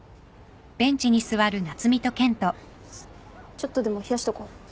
ちょっとでも冷やしとこう。